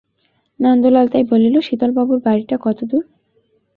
নন্দলাল তাই বলিল, শীতলবাবুর বাড়িটা কতদূর?